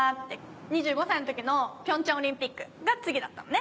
２５歳の時の平昌オリンピックが次だったのね。